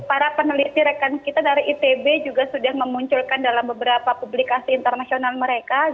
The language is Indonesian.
para peneliti rekan kita dari itb juga sudah memunculkan dalam beberapa publikasi internasional mereka